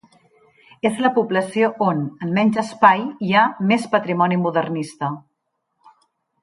És la població on, en menys espai, hi ha més patrimoni modernista.